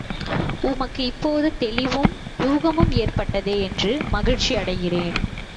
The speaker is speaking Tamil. உமக்கு இப்போது தெளிவும், யூகமும் ஏற்பட்டதே என்று மகிழ்ச்சி அடைகிறேன்.